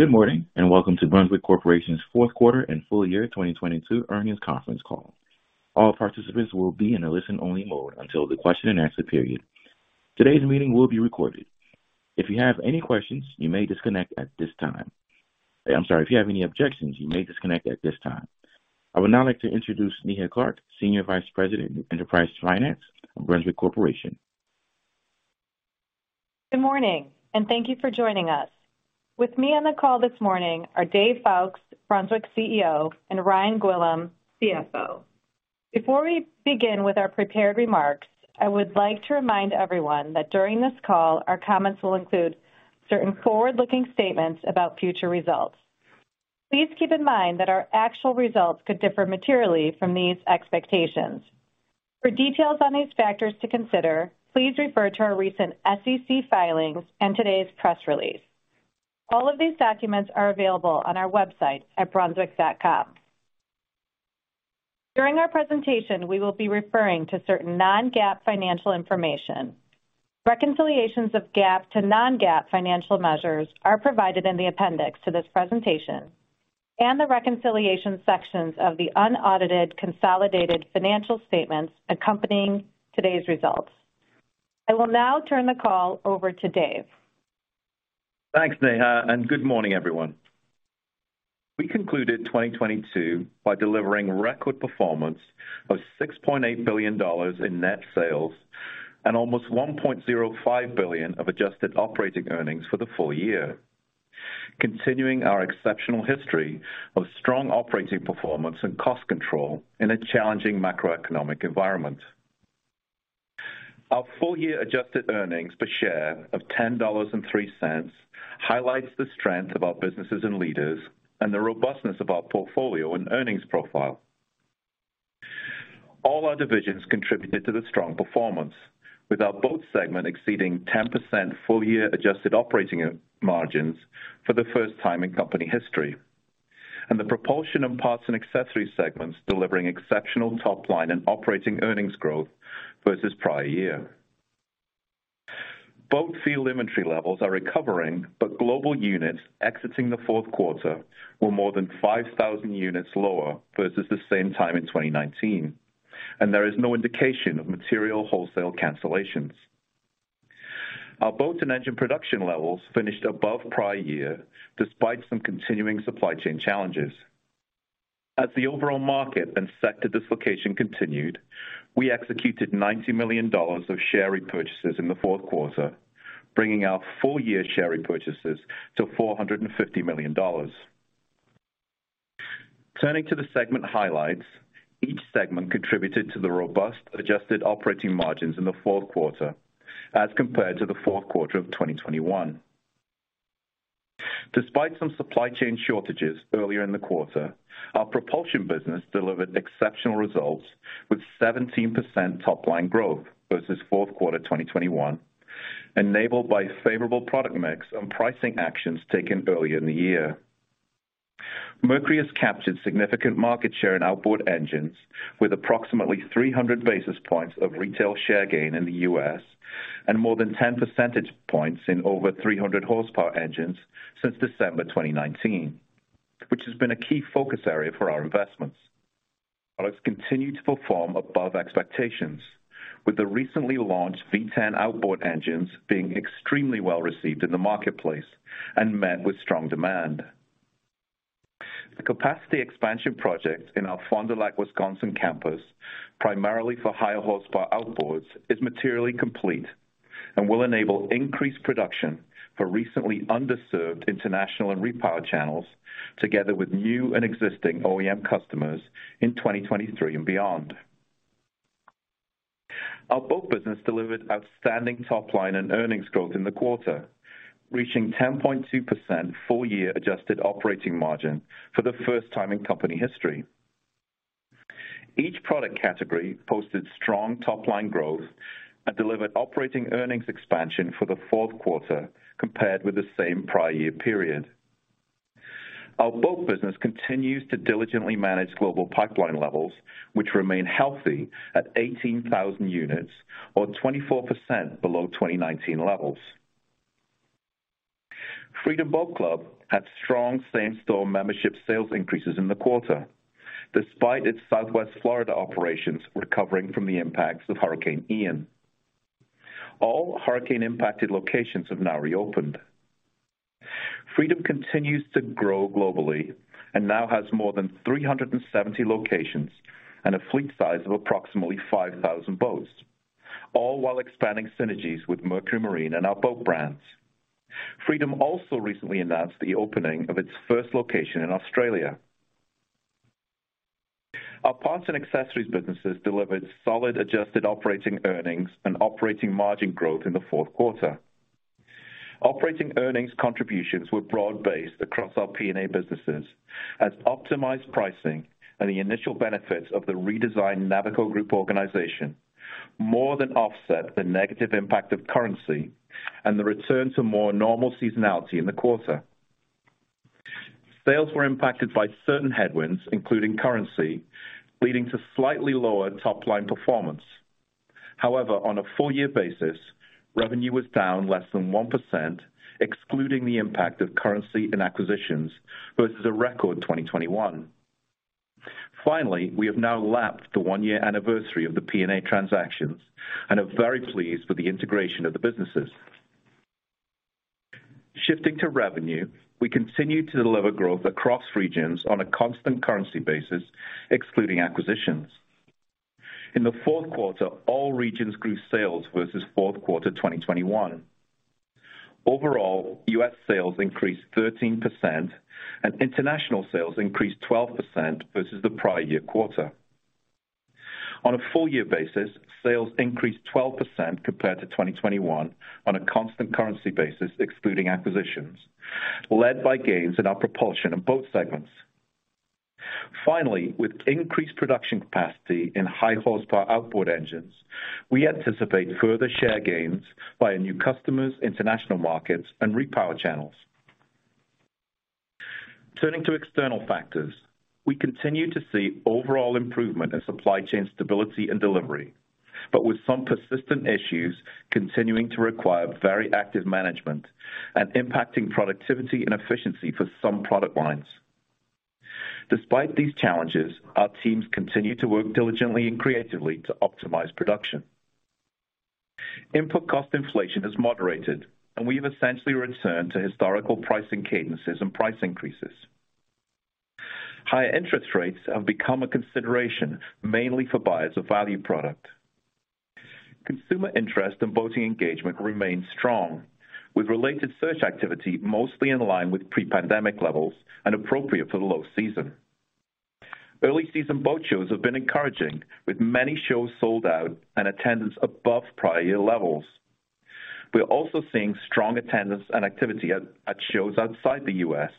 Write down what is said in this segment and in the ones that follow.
Good morning. Welcome to Brunswick Corporation's fourth quarter and full year 2022 earnings conference call. All participants will be in a listen-only mode until the question and answer period. Today's meeting will be recorded. If you have any questions, you may disconnect at this time. I'm sorry. If you have any objections, you may disconnect at this time. I would now like to introduce Neha Clark, Senior Vice President, Enterprise Finance of Brunswick Corporation. Good morning, and thank you for joining us. With me on the call this morning are David Foulkes, Brunswick CEO, and Ryan Gwillim, CFO. Before we begin with our prepared remarks, I would like to remind everyone that during this call, our comments will include certain forward looking statements about future results. Please keep in mind that our actual results could differ materially from these expectations. For details on these factors to consider, please refer to our recent SEC filings and today's press release. All of these documents are available on our website at brunswick.com. During our presentation, we will be referring to certain non-GAAP financial information. Reconciliations of GAAP to non-GAAP financial measures are provided in the appendix to this presentation and the reconciliation sections of the unaudited consolidated financial statements accompanying today's results. I will now turn the call over to David Foulkes. Thanks, Neha, and good morning, everyone. We concluded 2022 by delivering record performance of $6.8 billion in net sales and almost $1.05 billion of adjusted operating earnings for the full year, continuing our exceptional history of strong operating performance and cost control in a challenging macroeconomic environment. Our full year adjusted earnings per share of $10.03 highlights the strength of our businesses and leaders and the robustness of our portfolio and earnings profile. All our divisions contributed to the strong performance with our Boat segment exceeding 10% full year adjusted operating margins for the first time in company history, and the Propulsion and Parts and Accessories segments delivering exceptional top line and operating earnings growth versus prior year. Boat field inventory levels are recovering. Global units exiting the fourth quarter were more than 5,000 units lower versus the same time in 2019. There is no indication of material wholesale cancellations. Our boats and engine production levels finished above prior year despite some continuing supply chain challenges. As the overall market and sector dislocation continued, we executed $90 million of share repurchases in the fourth quarter, bringing our full year share repurchases to $450 million. Turning to the segment highlights. Each segment contributed to the robust adjusted operating margins in the fourth quarter as compared to the fourth quarter of 2021. Despite some supply chain shortages earlier in the quarter, our Propulsion business delivered exceptional results with 17% top line growth versus fourth quarter 2021, enabled by favorable product mix and pricing actions taken earlier in the year. Mercury has captured significant market share in outboard engines with approximately 300 basis points of retail share gain in the U.S. and more than 10 percentage points in over 300 horsepower engines since December 2019, which has been a key focus area for our investments. Products continued to perform above expectations, with the recently launched V10 outboard engines being extremely well-received in the marketplace and met with strong demand. The capacity expansion project in our Fond du Lac, Wisconsin campus, primarily for higher horsepower outboards, is materially complete and will enable increased production for recently underserved international and repower channels together with new and existing OEM customers in 2023 and beyond. Our Boat business delivered outstanding top line and earnings growth in the quarter, reaching 10.2% full year adjusted operating margin for the first time in company history. Each product category posted strong top line growth and delivered operating earnings expansion for the fourth quarter compared with the same prior year period. Our Boat business continues to diligently manage global pipeline levels, which remain healthy at 18,000 units or 24% below 2019 levels. Freedom Boat Club had strong same-store membership sales increases in the quarter, despite its Southwest Florida operations recovering from the impacts of Hurricane Ian. All hurricane-impacted locations have now reopened. Freedom continues to grow globally and now has more than 370 locations and a fleet size of approximately 5,000 boats, all while expanding synergies with Mercury Marine and our boat brands. Freedom also recently announced the opening of its first location in Australia. Our Parts and Accessories businesses delivered solid adjusted operating earnings and operating margin growth in the fourth quarter. Operating earnings contributions were broad based across our P&A businesses as optimized pricing and the initial benefits of the redesigned Navico Group organization more than offset the negative impact of currency and the return to more normal seasonality in the quarter. Sales were impacted by certain headwinds, including currency, leading to slightly lower top line performance. However, on a full year basis, revenue was down less than 1%, excluding the impact of currency and acquisitions versus a record 2021. Finally, we have now lapped the one year anniversary of the P&A transactions and are very pleased with the integration of the businesses. Shifting to revenue, we continue to deliver growth across regions on a constant currency basis, excluding acquisitions. In the fourth quarter, all regions grew sales versus fourth quarter 2021. Overall, US sales increased 13% and international sales increased 12% versus the prior year quarter. On a full year basis, sales increased 12% compared to 2021 on a constant currency basis excluding acquisitions, led by gains in our propulsion in both segments. With increased production capacity in high horsepower outboard engines, we anticipate further share gains by new customers, international markets and repower channels. Turning to external factors, we continue to see overall improvement in supply chain stability and delivery, but with some persistent issues continuing to require very active management and impacting productivity and efficiency for some product lines. Despite these challenges, our teams continue to work diligently and creatively to optimize production. Input cost inflation has moderated, and we have essentially returned to historical pricing cadences and price increases. Higher interest rates have become a consideration mainly for buyers of value product. Consumer interest and boating engagement remains strong, with related search activity mostly in line with pre-pandemic levels and appropriate for the low season. Early season boat shows have been encouraging, with many shows sold out and attendance above prior year levels. We are also seeing strong attendance and activity at shows outside the U.S.,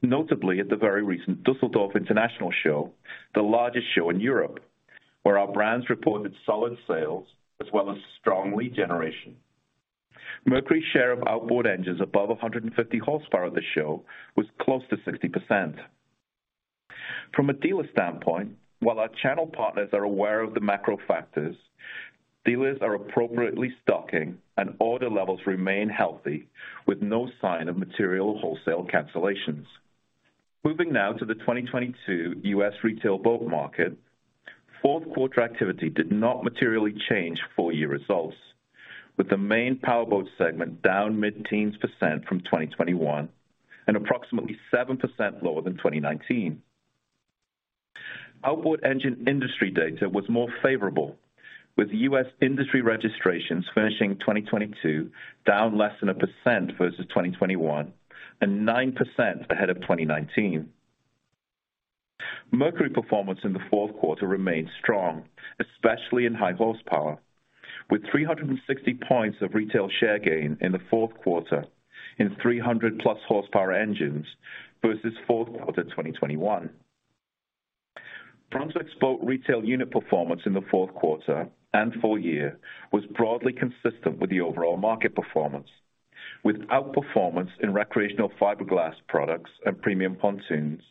notably at the very recent Düsseldorf International Show, the largest show in Europe, where our brands reported solid sales as well as strong lead generation. Mercury share of outboard engines above 150 horsepower at the show was close to 60%. From a dealer standpoint, while our channel partners are aware of the macro factors, dealers are appropriately stocking and order levels remain healthy with no sign of material wholesale cancellations. Moving now to the 2022 U.S. retail boat market. Fourth quarter activity did not materially change full year results, with the main powerboat segment down mid-teens% from 2021 and approximately 7% lower than 2019. Outboard engine industry data was more favorable, with U.S. industry registrations finishing 2022, down less than 1% versus 2021 and 9% ahead of 2019. Mercury performance in the fourth quarter remained strong, especially in high horsepower, with 360 points of retail share gain in the fourth quarter in 300+ horsepower engines versus fourth quarter 2021. Brunswick's boat retail unit performance in the fourth quarter and full year was broadly consistent with the overall market performance, with outperformance in recreational fiberglass products and premium pontoons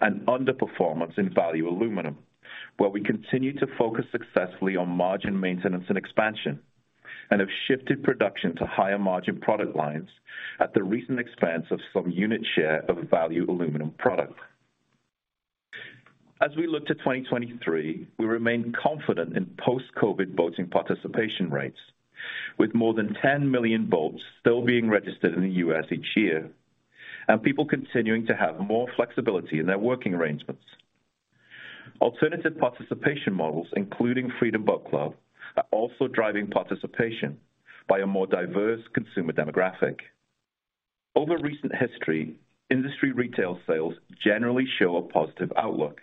and underperformance in value aluminum, where we continue to focus successfully on margin maintenance and expansion and have shifted production to higher margin product lines at the recent expense of some unit share of value aluminum product. As we look to 2023, we remain confident in post-Covid boating participation rates. With more than ten million boats still being registered in the U.S. each year, and people continuing to have more flexibility in their working arrangements. Alternative participation models, including Freedom Boat Club, are also driving participation by a more diverse consumer demographic. Over recent history, industry retail sales generally show a positive outlook.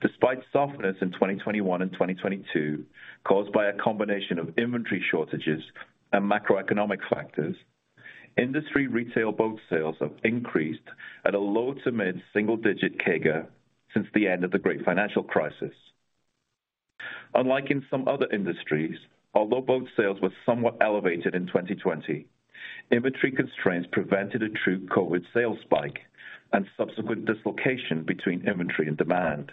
Despite softness in 2021 and 2022, caused by a combination of inventory shortages and macroeconomic factors, industry retail boat sales have increased at a low to mid single digit CAGR since the end of the great financial crisis. Unlike in some other industries, although boat sales were somewhat elevated in 2020, inventory constraints prevented a true COVID sales spike and subsequent dislocation between inventory and demand.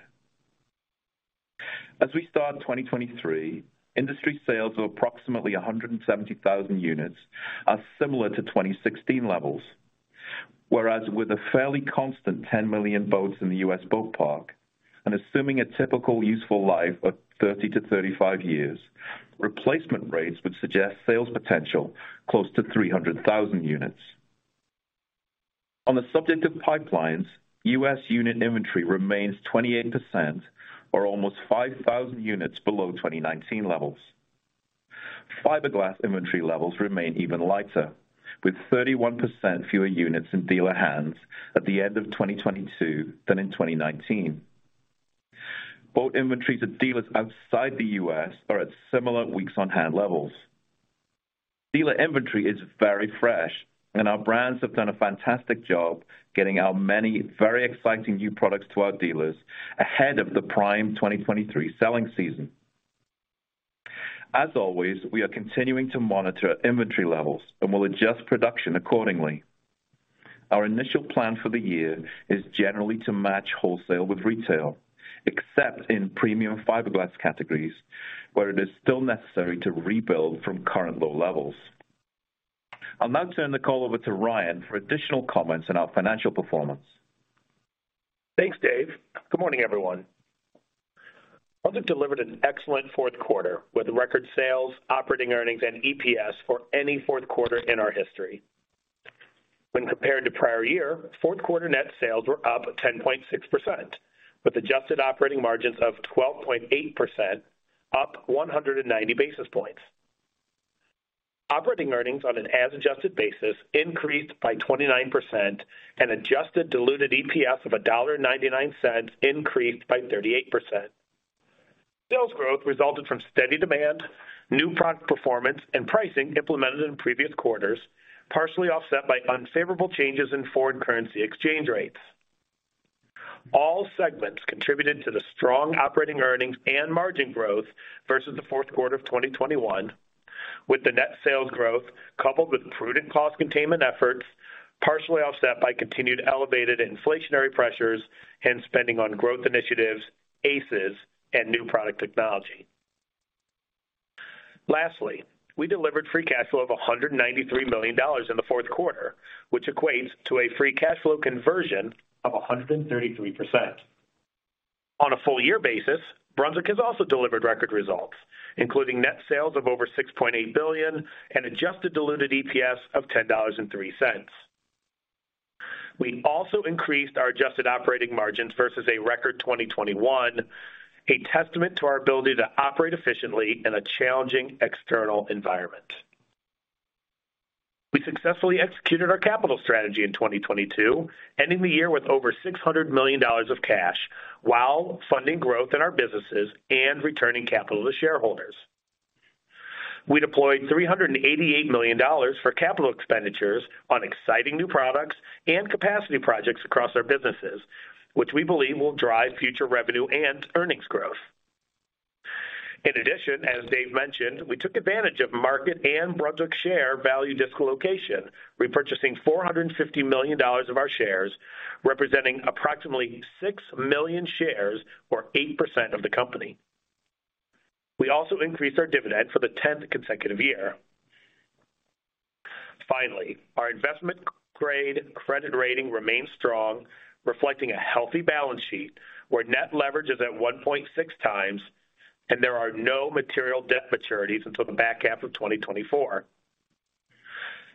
As we start 2023, industry sales of approximately 170,000 units are similar to 2016 levels. Whereas with a fairly constant ten million boats in the U.S. boat park and assuming a typical useful life of 30-35 years, replacement rates would suggest sales potential close to 300,000 units. On the subject of pipelines, U.S. unit inventory remains 28% or almost 5,000 units below 2019 levels. Fiberglass inventory levels remain even lighter, with 31% fewer units in dealer hands at the end of 2022 than in 2019. Boat inventories of dealers outside the U.S. are at similar weeks on hand levels. Dealer inventory is very fresh and our brands have done a fantastic job getting our many very exciting new products to our dealers ahead of the prime 2023 selling season. As always, we are continuing to monitor inventory levels and will adjust production accordingly. Our initial plan for the year is generally to match wholesale with retail, except in premium fiberglass categories, where it is still necessary to rebuild from current low levels. I'll now turn the call over to Ryan for additional comments on our financial performance. Thanks, David. Good morning, everyone. Brunswick delivered an excellent fourth quarter with record sales, operating earnings and EPS for any fourth quarter in our history. Compared to prior year, fourth quarter net sales were up 10.6%, with adjusted operating margins of 12.8%, up 190 basis points. Operating earnings on an as adjusted basis increased by 29% and adjusted diluted EPS of $1.99 increased by 38%. Sales growth resulted from steady demand, new product performance and pricing implemented in previous quarters, partially offset by unfavorable changes in foreign currency exchange rates. All segments contributed to the strong operating earnings and margin growth versus the fourth quarter of 2021, with the net sales growth coupled with prudent cost containment efforts, partially offset by continued elevated inflationary pressures and spending on growth initiatives, ACES and new product technology. We delivered free cash flow of $193 million in the fourth quarter, which equates to a free cash flow conversion of 133%. On a full year basis, Brunswick has also delivered record results, including net sales of over $6.8 billion and adjusted diluted EPS of $10.03. We also increased our adjusted operating margins versus a record 2021, a testament to our ability to operate efficiently in a challenging external environment. We successfully executed our capital strategy in 2022, ending the year with over $600 million of cash while funding growth in our businesses and returning capital to shareholders. We deployed $388 million for CapEx on exciting new products and capacity projects across our businesses, which we believe will drive future revenue and earnings growth. In addition, as David mentioned, we took advantage of market and Brunswick share value dislocation, repurchasing $450 million of our shares, representing approximately 6 million shares or 8% of the company. We also increased our dividend for the tenth consecutive year. Finally, our investment grade credit rating remains strong, reflecting a healthy balance sheet where net leverage is at 1.6x and there are no material debt maturities until the back half of 2024.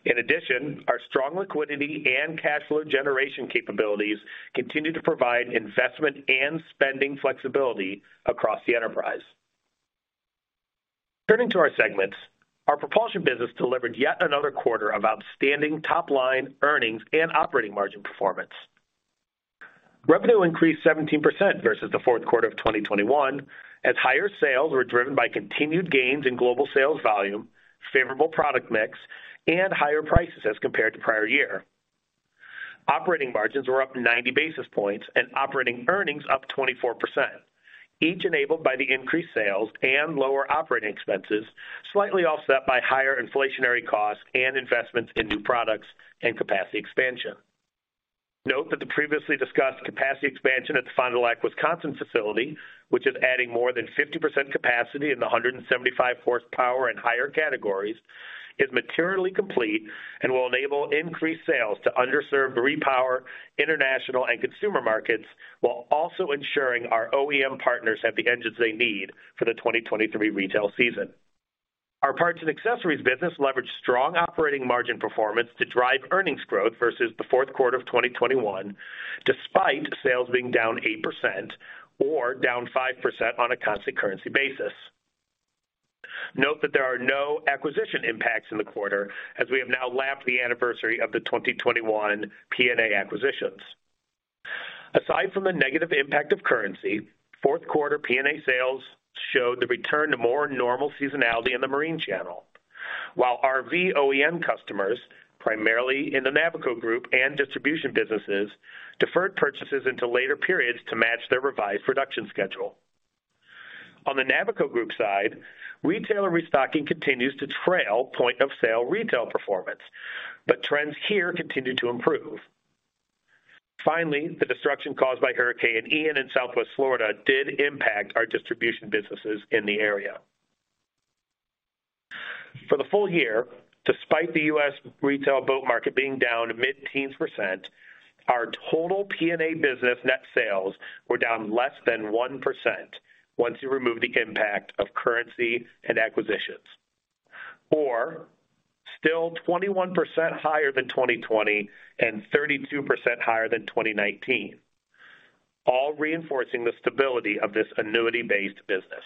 In addition, our strong liquidity and cash flow generation capabilities continue to provide investment and spending flexibility across the enterprise. Turning to our segments, our propulsion business delivered yet another quarter of outstanding top-line earnings and operating margin performance. Revenue increased 17% versus the fourth quarter of 2021 as higher sales were driven by continued gains in global sales volume, favorable product mix and higher prices as compared to prior year. Operating margins were up 90 basis points and operating earnings up 24%, each enabled by the increased sales and lower operating expenses, slightly offset by higher inflationary costs and investments in new products and capacity expansion. Note that the previously discussed capacity expansion at the Fond du Lac, Wisconsin facility, which is adding more than 50% capacity in the 175 horsepower and higher categories, is materially complete and will enable increased sales to underserved repower international and consumer markets while also ensuring our OEM partners have the engines they need for the 2023 retail season. Our parts and accessories business leveraged strong operating margin performance to drive earnings growth versus the fourth quarter of 2021, despite sales being down 8% or down 5% on a constant currency basis. Note that there are no acquisition impacts in the quarter as we have now lapped the anniversary of the 2021 P&A acquisitions. Aside from the negative impact of currency, fourth quarter P&A sales showed the return to more normal seasonality in the marine channel, while RV OEM customers, primarily in the Navico Group and distribution businesses, deferred purchases into later periods to match their revised production schedule. On the Navico Group side, retailer restocking continues to trail point of sale retail performance, but trends here continue to improve. Finally, the destruction caused by Hurricane Ian in Southwest Florida did impact our distribution businesses in the area. For the full year, despite the U.S. retail boat market being down mid-teens%, our total P&A business net sales were down less than 1% once you remove the impact of currency and acquisitions. Still 21% higher than 2020 and 32% higher than 2019, all reinforcing the stability of this annuity-based business.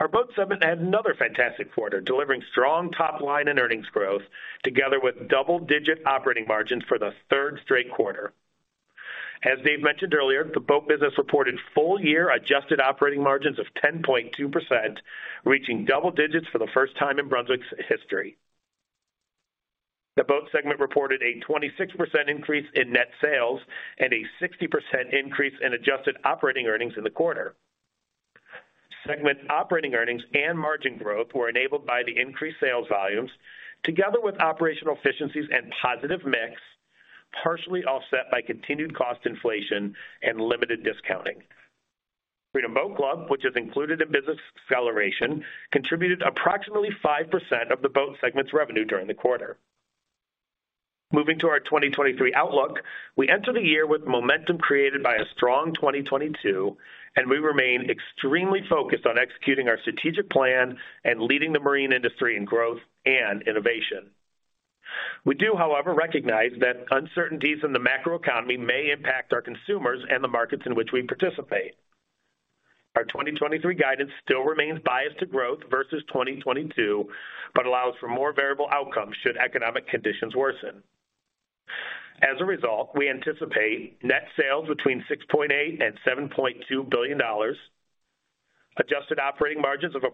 Our Boat segment had another fantastic quarter, delivering strong top line and earnings growth together with double-digit operating margins for the third straight quarter. As David mentioned earlier, the Boat business reported full year adjusted operating margins of 10.2%, reaching double digits for the first time in Brunswick's history. The Boat segment reported a 26% increase in net sales and a 60% increase in adjusted operating earnings in the quarter. Segment operating earnings and margin growth were enabled by the increased sales volumes together with operational efficiencies and positive mix, partially offset by continued cost inflation and limited discounting. Freedom Boat Club, which is included in business acceleration, contributed approximately 5% of the Boat segment's revenue during the quarter. Moving to our 2023 outlook. We enter the year with momentum created by a strong 2022, and we remain extremely focused on executing our strategic plan and leading the marine industry in growth and innovation. We do, however, recognize that uncertainties in the macroeconomy may impact our consumers and the markets in which we participate. Our 2023 guidance still remains biased to growth versus 2022, but allows for more variable outcomes should economic conditions worsen. As a result, we anticipate net sales between $6.8 billion and $7.2 billion, adjusted operating margins of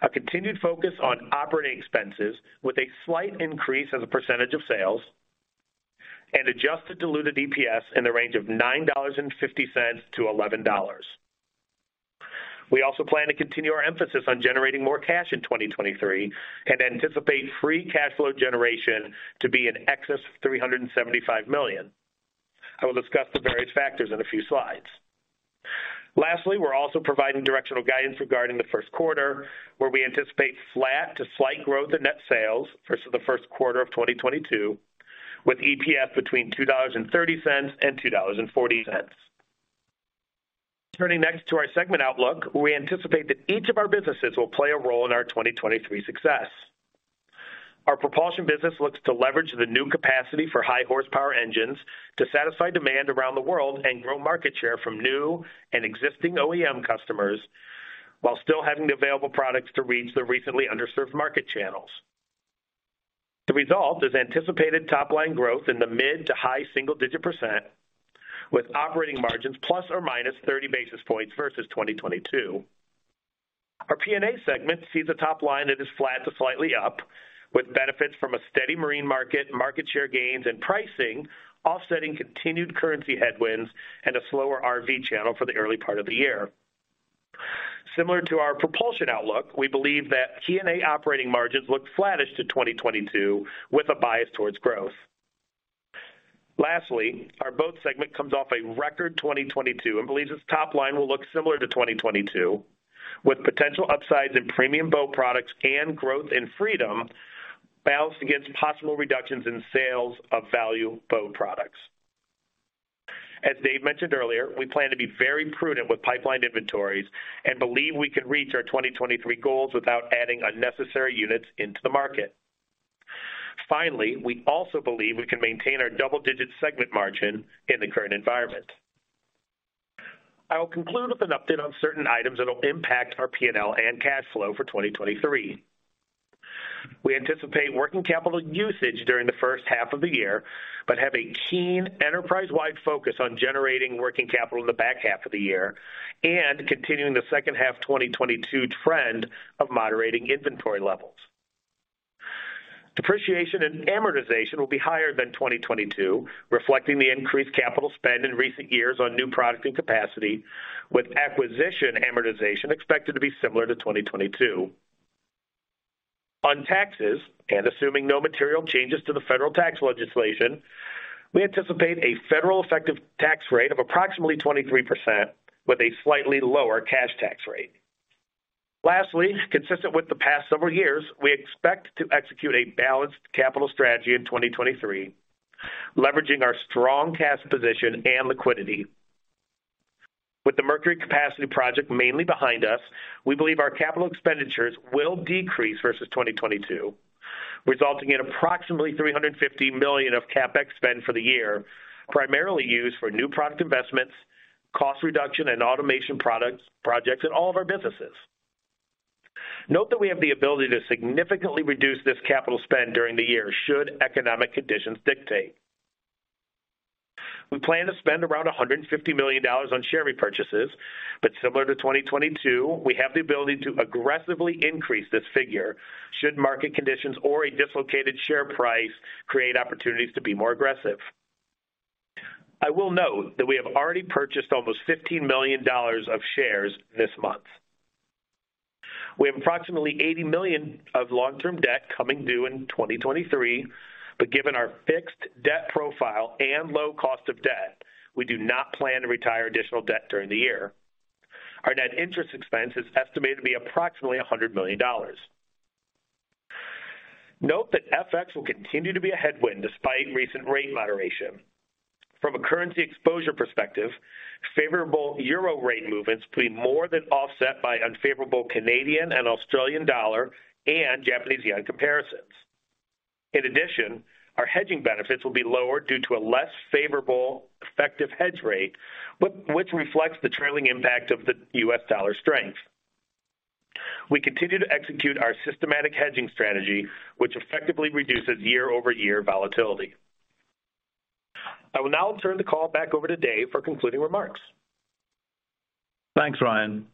approximately 15%, a continued focus on operating expenses with a slight increase as a percentage of sales, and adjusted diluted EPS in the range of $9.50-$11.00. We also plan to continue our emphasis on generating more cash in 2023 and anticipate free cash flow generation to be in excess of $375 million. I will discuss the various factors in a few slides. We're also providing directional guidance regarding the first quarter, where we anticipate flat to slight growth in net sales versus the first quarter of 2022, with EPS between $2.30 and $2.40. Turning next to our segment outlook. We anticipate that each of our businesses will play a role in our 2023 success. Our Propulsion business looks to leverage the new capacity for high horsepower engines to satisfy demand around the world and grow market share from new and existing OEM customers while still having the available products to reach the recently underserved market channels. The result is anticipated top line growth in the mid to high single digit %, with operating margins ±30 basis points versus 2022. Our P&A segment sees a top line that is flat to slightly up, with benefits from a steady marine market share gains and pricing offsetting continued currency headwinds and a slower RV channel for the early part of the year. Similar to our Propulsion outlook, we believe that P&A operating margins look flattish to 2022 with a bias towards growth. Lastly, our Boat segment comes off a record 2022 and believes its top line will look similar to 2022, with potential upsides in premium boat products and growth in Freedom balanced against possible reductions in sales of value boat products. As David mentioned earlier, we plan to be very prudent with pipelined inventories and believe we can reach our 2023 goals without adding unnecessary units into the market. We also believe we can maintain our double digit segment margin in the current environment. I will conclude with an update on certain items that will impact our P&L and cash flow for 2023. We anticipate working capital usage during the first half of the year, but have a keen enterprise-wide focus on generating working capital in the back half of the year and continuing the second half 2022 trend of moderating inventory levels. Depreciation and amortization will be higher than 2022, reflecting the increased capital spend in recent years on new product and capacity, with acquisition amortization expected to be similar to 2022. On taxes, assuming no material changes to the federal tax legislation, we anticipate a federal effective tax rate of approximately 23% with a slightly lower cash tax rate. Lastly, consistent with the past several years, we expect to execute a balanced capital strategy in 2023, leveraging our strong cash position and liquidity. With the Mercury capacity project mainly behind us, we believe our capital expenditures will decrease versus 2022, resulting in approximately $350 million of CapEx spend for the year, primarily used for new product investments, cost reduction and automation projects in all of our businesses. Note that we have the ability to significantly reduce this capital spend during the year should economic conditions dictate. We plan to spend around $150 million on share repurchases, but similar to 2022, we have the ability to aggressively increase this figure should market conditions or a dislocated share price create opportunities to be more aggressive. I will note that we have already purchased almost $15 million of shares this month. We have approximately $80 million of long term debt coming due in 2023, but given our fixed debt profile and low cost of debt, we do not plan to retire additional debt during the year. Our net interest expense is estimated to be approximately $100 million. Note that FX will continue to be a headwind despite recent rate moderation. From a currency exposure perspective, favorable euro rate movements will be more than offset by unfavorable Canadian and Australian dollar and Japanese yen comparisons. Our hedging benefits will be lower due to a less favorable effective hedge rate, which reflects the trailing impact of the US dollar strength. We continue to execute our systematic hedging strategy, which effectively reduces year-over-year volatility. I will now turn the call back over to David for concluding remarks. Thanks, Ryan.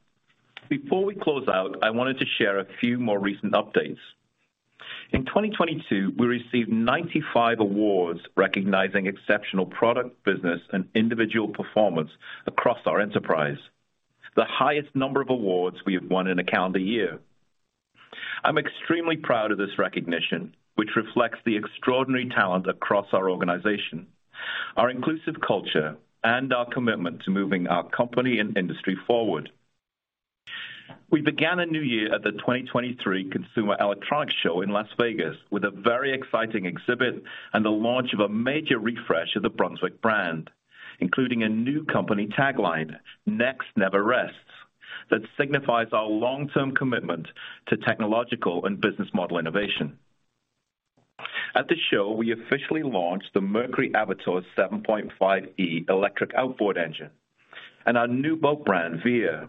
Before we close out, I wanted to share a few more recent updates. In 2022, we received 95 awards recognizing exceptional product, business, and individual performance across our enterprise, the highest number of awards we have won in a calendar year. I'm extremely proud of this recognition, which reflects the extraordinary talent across our organization, our inclusive culture, and our commitment to moving our company and industry forward. We began a new year at the 2023 Consumer Electronics Show in Las Vegas with a very exciting exhibit and the launch of a major refresh of the Brunswick brand, including a new company tagline, "Next Never Rests," that signifies our long-term commitment to technological and business model innovation. At the show, we officially launched the Mercury Avator 7.5e electric outboard engine and our new boat brand, Veer.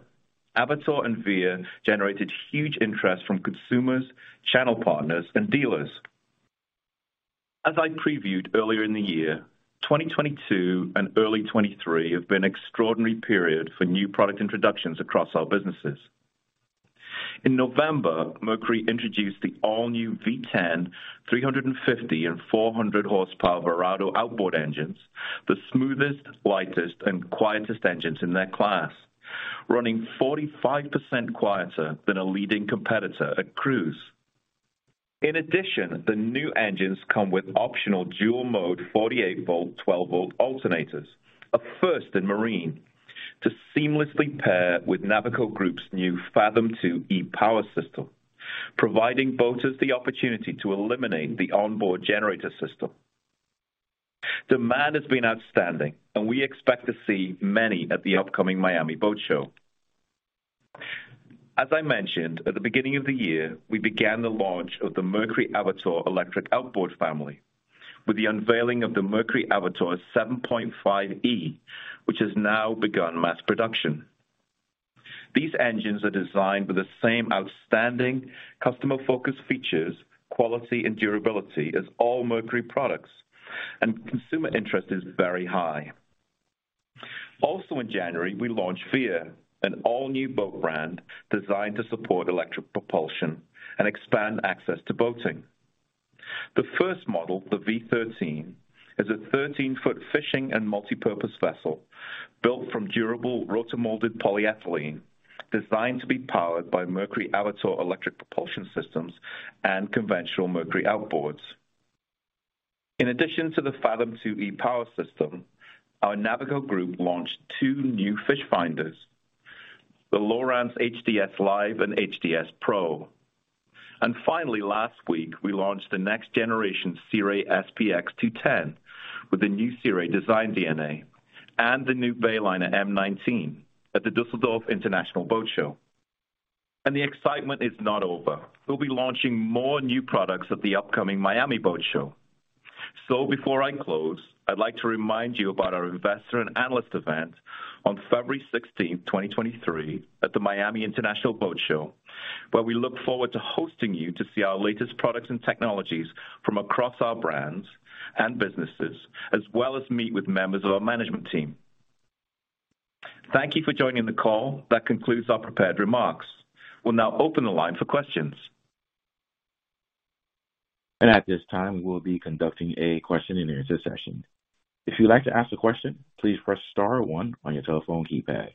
Avator and Veer generated huge interest from consumers, channel partners, and dealers. As I previewed earlier in the year, 2022 and early 2023 have been extraordinary period for new product introductions across our businesses. In November, Mercury introduced the all-new V10, 350 and 400 horsepower Verado outboard engines, the smoothest, lightest, and quietest engines in their class. Running 45% quieter than a leading competitor at cruise. In addition, the new engines come with optional dual mode 48 volt/12 volt alternators, a first in marine, to seamlessly pair with Navico Group's new Fathom e-Power system, providing boaters the opportunity to eliminate the onboard generator system. Demand has been outstanding and we expect to see many at the upcoming Miami Boat Show. As I mentioned at the beginning of the year, we began the launch of the Mercury Avator electric outboard family with the unveiling of the Mercury Avator 7.5e, which has now begun mass production. These engines are designed with the same outstanding customer focus features, quality, and durability as all Mercury products, and consumer interest is very high. Also in January, we launched Veer, an all-new boat brand designed to support electric propulsion and expand access to boating. The first model, the V 13, is a 13-foot fishing and multipurpose vessel built from durable roto-molded polyethylene designed to be powered by Mercury Avator electric propulsion systems and conventional Mercury outboards. In addition to the Fathom e-Power system, our Navico Group launched 2 new fish finders, the Lowrance HDS LIVE and HDS PRO. Finally, last week, we launched the next generation Sea Ray SPX 210 with the new Sea Ray design DNA and the new Bayliner M19 at the Düsseldorf International Boat Show. The excitement is not over. We'll be launching more new products at the upcoming Miami International Boat Show. Before I close, I'd like to remind you about our investor and analyst event on February 16, 2023, at the Miami International Boat Show, where we look forward to hosting you to see our latest products and technologies from across our brands and businesses, as well as meet with members of our management team. Thank you for joining the call. That concludes our prepared remarks. We'll now open the line for questions. At this time, we'll be conducting a question and answer session. If you'd like to ask a question, please press star one on your telephone keypad.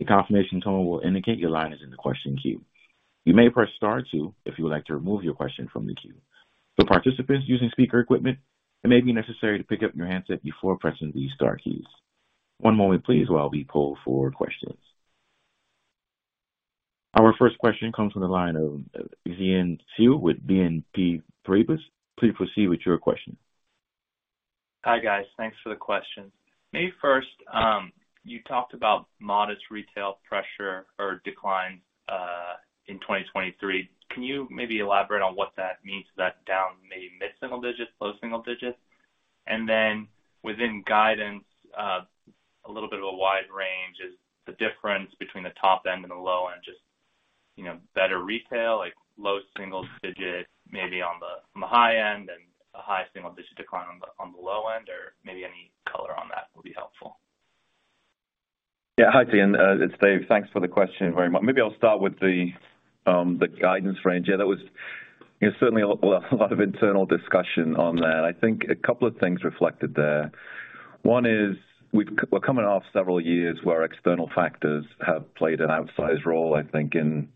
A confirmation tone will indicate your line is in the question queue. You may press star two if you would like to remove your question from the queue. For participants using speaker equipment, it may be necessary to pick up your handset before pressing these star keys. One moment please while we poll for questions. Our first question comes from the line of Xian Siew with BNP Paribas. Please proceed with your question. Hi, guys. Thanks for the questions. Maybe first, you talked about modest retail pressure or decline in 2023. Can you maybe elaborate on what that means? Is that down maybe mid-single digits, low single digits? Then within guidance, a little bit of a wide range. Is the difference between the top end and the low end just, you know, better retail, like low single digit maybe on the high end and a high single digit decline on the low end? Maybe any color on that will be helpful. Yeah. Hi, Ian. It's David. Thanks for the question very much. Maybe I'll start with the guidance range. Yeah, that was certainly a lot of internal discussion on that. I think a couple of things reflected there. One is we're coming off several years where external factors have played an outsized role, I think, in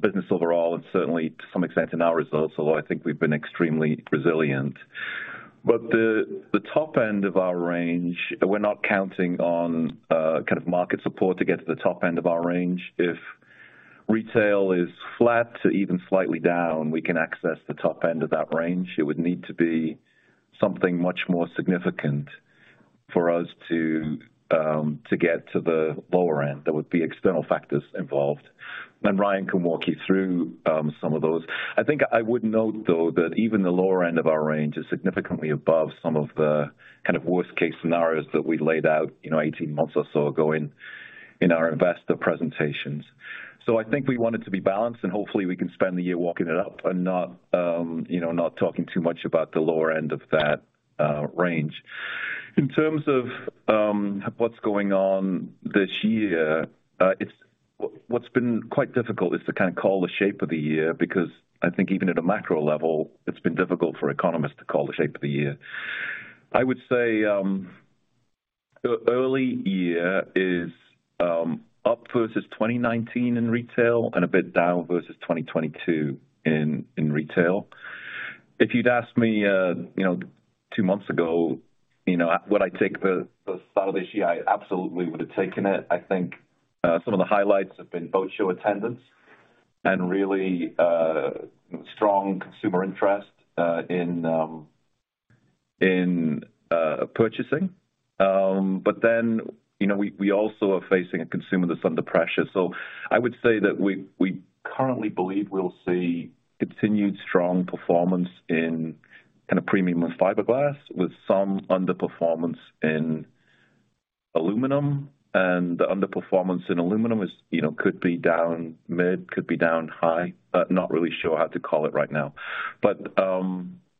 business overall and certainly to some extent in our results, although I think we've been extremely resilient. The top end of our range, we're not counting on kind of market support to get to the top end of our range. If retail is flat to even slightly down, we can access the top end of that range. It would need to be something much more significant for us to get to the lower end. There would be external factors involved. Ryan can walk you through, some of those. I think I would note, though, that even the lower end of our range is significantly above some of the kind of worst case scenarios that we laid out, you know, 18 months or so ago in our investor presentations. I think we want it to be balanced and hopefully we can spend the year walking it up and not, you know, not talking too much about the lower end of that range. In terms of, what's going on this year, what's been quite difficult is to kind of call the shape of the year because I think even at a macro level, it's been difficult for economists to call the shape of the year. I would say, early year is up versus 2019 in retail and a bit down versus 2022 in retail. If you'd asked me, you know, 2 months ago, you know, would I take the start of this year, I absolutely would have taken it. I think some of the highlights have been boat show attendance and really strong consumer interest in purchasing. You know, we also are facing a consumer that's under pressure. I would say that we currently believe we'll see continued strong performance in kind of premium and fiberglass with some underperformance in aluminum. The underperformance in aluminum is, you know, could be down mid, could be down high. Not really sure how to call it right now.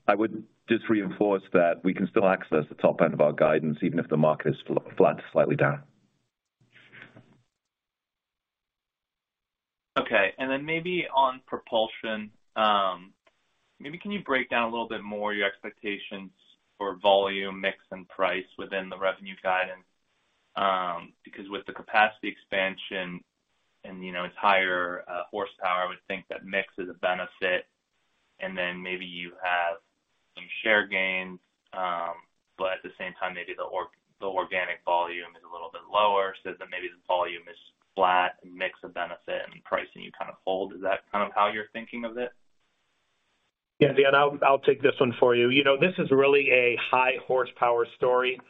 I would just reinforce that we can still access the top end of our guidance, even if the market is flat to slightly down. Okay. Maybe on propulsion, maybe can you break down a little bit more your expectations for volume, mix, and price within the revenue guidance? With the capacity expansion and, you know, it's higher horsepower, I would think that mix is a benefit. Maybe you have some share gains, but at the same time, maybe the organic volume is a little bit lower. Maybe the volume is flat and mix of benefit and pricing, you kind of hold. Is that kind of how you're thinking of it? Xian, I'll take this one for you. You know, this is really a high horsepower story.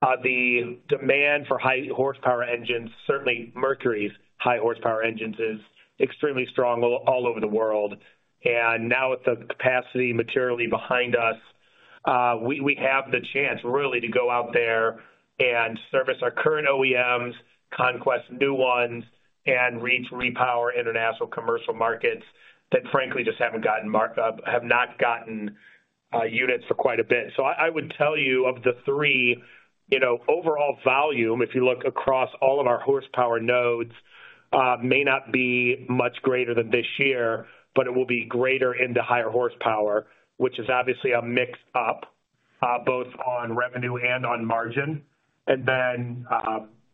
The demand for high horsepower engines, certainly Mercury's high horsepower engines, is extremely strong all over the world. Now with the capacity materially behind us, we have the chance really to go out there and service our current OEMs, conquest new ones, and reach repower international commercial markets that frankly just haven't gotten units for quite a bit. I would tell you of the three, you know, overall volume, if you look across all of our horsepower nodes, may not be much greater than this year, but it will be greater in the higher horsepower, which is obviously a mix up both on revenue and on margin.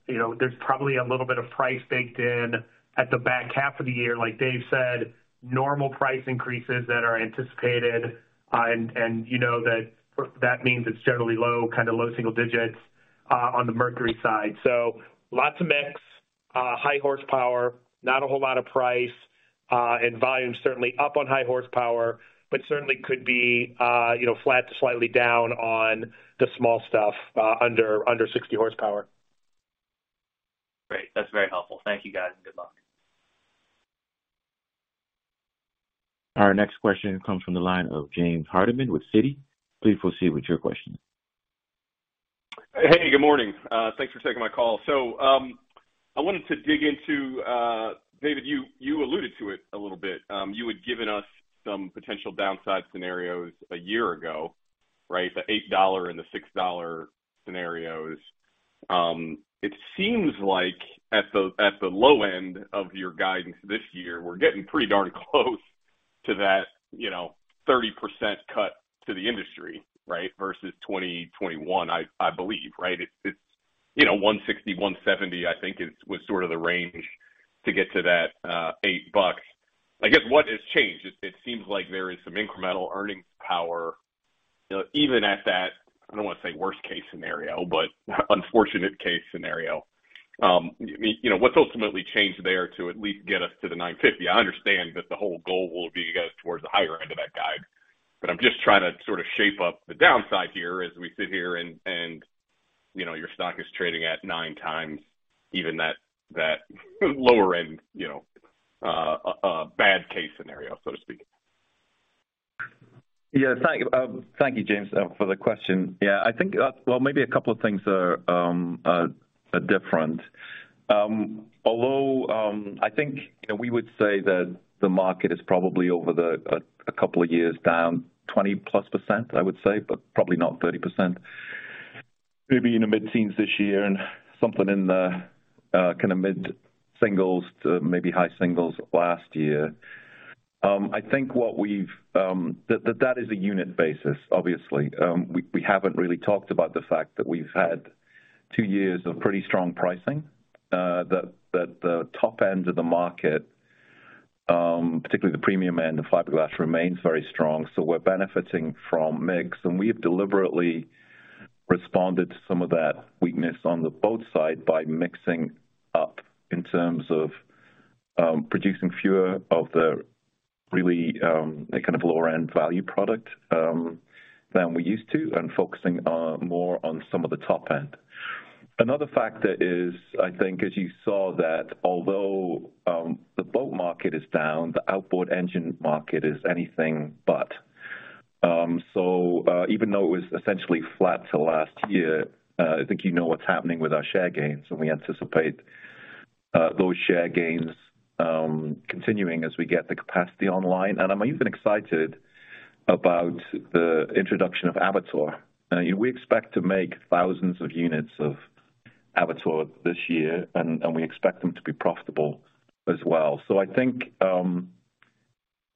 You know, there's probably a little bit of price baked in at the back half of the year. Like David said, normal price increases that are anticipated, and you know that means it's generally low, kind of low single digits, on the Mercury side. Lots of mix, high horsepower, not a whole lot of price, and volume certainly up on high horsepower, but certainly could be, you know, flat to slightly down on the small stuff, under 60 horsepower. Great. That's very helpful. Thank you, guys, and good luck. Our next question comes from the line of James Hardiman with Citi. Please proceed with your question. Hey, good morning. Thanks for taking my call. I wanted to dig into David, you alluded to it a little bit. You had given us some potential downside scenarios a year ago, right? The $8 and the $6 scenarios. It seems like at the low end of your guidance this year, we're getting pretty darn close to that, you know, 30% cut to the industry, right, versus 2021, I believe, right? It's, you know, 160, 170, I think was sort of the range to get to that, $8. I guess what has changed? It seems like there is some incremental earnings power, even at that, I don't want to say worst case scenario, but unfortunate case scenario. You know, what's ultimately changed there to at least get us to the 950? I understand that the whole goal will be to get us towards the higher end of that guide, but I'm just trying to sort of shape up the downside here as we sit here and, you know, your stock is trading at 9x even that lower end, you know, bad case scenario, so to speak. Thank you, James Hardiman, for the question. Well, maybe a couple of things are different. Although, I think, you know, we would say that the market is probably over the two years down 20 plus %, I would say, but probably not 30%. Maybe in the mid-teens this year and something in the kind of mid-singles to maybe high singles last year. I think what we've, that is a unit basis, obviously. We haven't really talked about the fact that we've had two years of pretty strong pricing, that the top end of the market, particularly the premium end of fiberglass remains very strong. We're benefiting from mix, and we have deliberately responded to some of that weakness on the boat side by mixing up in terms of producing fewer of the really, the kind of lower end value product than we used to, and focusing on more on some of the top end. Another factor is, I think as you saw that although the boat market is down, the outboard engine market is anything but. Even though it was essentially flat to last year, I think you know what's happening with our share gains, and we anticipate those share gains continuing as we get the capacity online. I'm even excited about the introduction of Avator. We expect to make thousands of units of Avator this year, and we expect them to be profitable as well. I think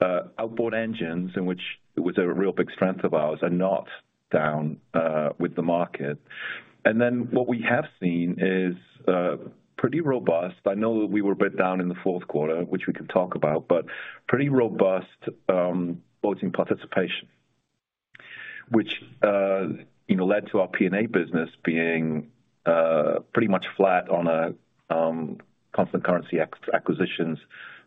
outboard engines, in which was a real big strength of ours, are not down with the market. What we have seen is pretty robust. I know that we were a bit down in the fourth quarter, which we can talk about, but pretty robust boating participation, which, you know, led to our P&A business being pretty much flat on a constant currency acquisitions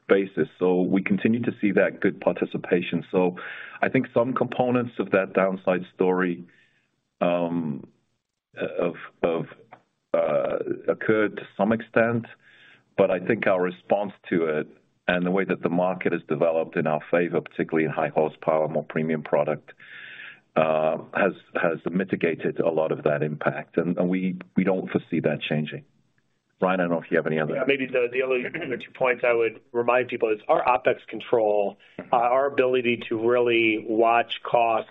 basis. We continue to see that good participation. I think some components of that downside story of occurred to some extent, but I think our response to it and the way that the market has developed in our favor, particularly in high horsepower, more premium product, has mitigated a lot of that impact. We don't foresee that changing. Ryan, I don't know if you have any other- Yeah, maybe the only other two points I would remind people is our OpEx control, our ability to really watch cost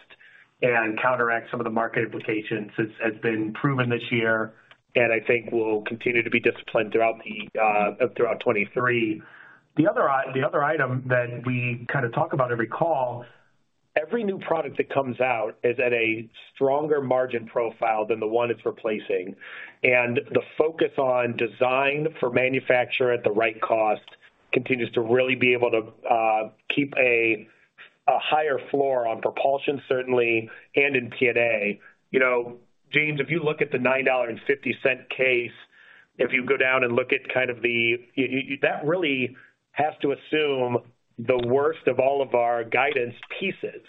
and counteract some of the market implications has been proven this year, and I think we'll continue to be disciplined throughout '23. The other item that we kind of talk about every call, every new product that comes out is at a stronger margin profile than the one it's replacing. The focus on design for manufacture at the right cost continues to really be able to keep a higher floor on propulsion, certainly, and in P&A. You know, James, if you look at the $9.50 case, if you go down and look at kind of the... That really has to assume the worst of all of our guidance pieces,